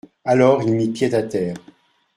Alors il mit pied à terre.